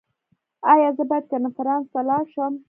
ایا زه باید کنفرانس ته لاړ شم؟